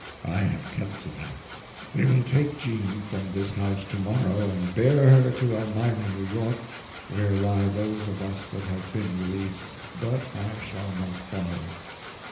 I have kept to that. They will take Jean from this house tomorrow, and bear her to Elmira, New York, where lie those of us that have been released, but I shall not follow.